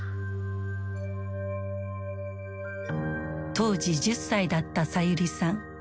当時１０歳だったさゆりさん。